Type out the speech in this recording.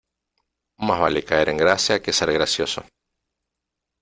Más vale caer en gracia que ser gracioso.